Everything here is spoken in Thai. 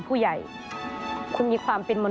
สวัสดีครับ